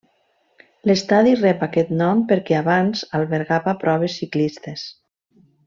L'estadi rep aquest nom perquè abans albergava proves ciclistes.